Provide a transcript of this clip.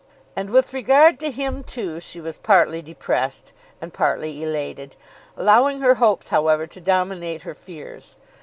And with regard to him too she was partly depressed, and partly elated, allowing her hopes however to dominate her fears.